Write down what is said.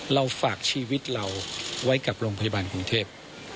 เราฝากชีวิตเราไว้กับโรงพยาบาลกรุงเทพ